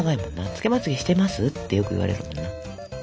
つけまつげしてます？ってよく言われるもんな。